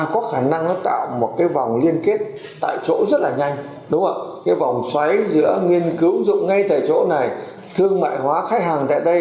cái vòng xoáy giữa nghiên cứu dụng ngay tại chỗ này thương mại hóa khách hàng tại đây